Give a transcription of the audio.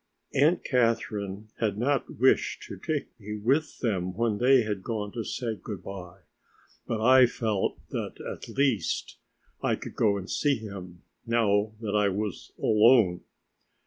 Aunt Catherine had not wished to take me with them when they had gone to say good by, but I felt that, at least, I could go and see him now that I was alone.